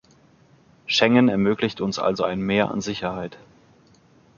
Schengen ermöglicht uns also ein Mehr an Sicherheit.